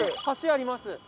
橋あります。